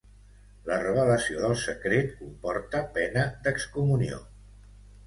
La revelació del secret comporta pena d'excomunió.